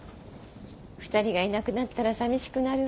２人がいなくなったらさみしくなるわ。